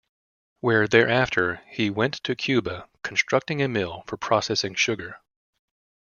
Where thereafter, he went to Cuba, constructing a mill for processing sugar.